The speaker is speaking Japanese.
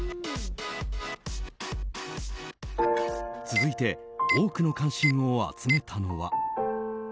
続いて多くの関心を集めたのは。